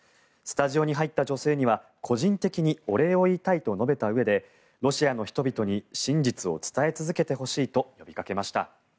スタジオに入った女性には個人的にお礼を言いたいと述べたうえでロシアの人々に真実を伝え続けてほしいと呼びかけました。